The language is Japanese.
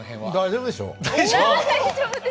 大丈夫でしょ。